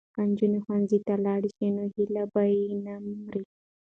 که نجونې ښوونځي ته لاړې شي نو هیلې به یې نه مري.